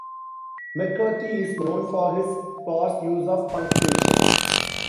McCarthy is known for his sparse use of punctuation.